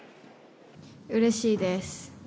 うれしいです。